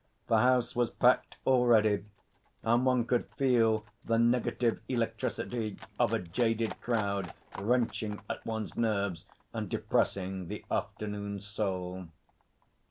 The House was packed already, and one could feel the negative electricity of a jaded crowd wrenching at one's own nerves, and depressing the afternoon soul.